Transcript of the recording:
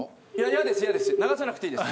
嫌です嫌です！